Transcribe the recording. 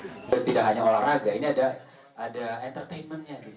tidak hanya olahraga ini ada entertainment nya di sini